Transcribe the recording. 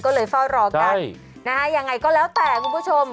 ก็เลยเฝ้ารอกันนะฮะยังไงก็แล้วแต่คุณผู้ชม